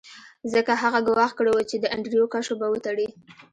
ځکه هغه ګواښ کړی و چې د انډریو کشو به وتړي